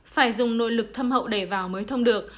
phải dùng nội lực thâm hậu để vào mới thông được